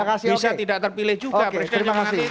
oh iya bisa tidak terpilih juga